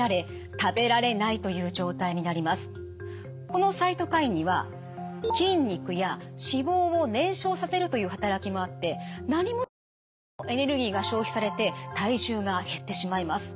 このサイトカインには筋肉や脂肪を燃焼させるという働きもあって何もしなくてもエネルギーが消費されて体重が減ってしまいます。